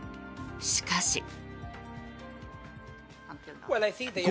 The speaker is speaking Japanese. しかし。